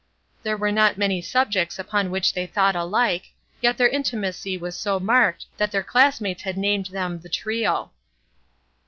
There were not many subjects upon which they thought alike, yet their intimacy was so marked that their classmates had named them the trio.